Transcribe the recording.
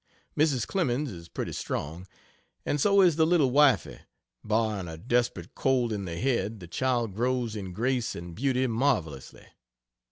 Mrs. Clemens is pretty strong, and so is the "little wifie" barring a desperate cold in the head the child grows in grace and beauty marvellously.